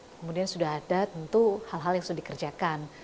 kemudian sudah ada tentu hal hal yang sudah dikerjakan